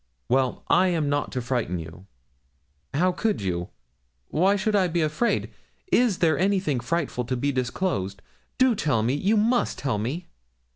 'Well, I am not to frighten you.' 'How could you? Why should I be afraid? Is there anything frightful to be disclosed? Do tell me you must tell me.'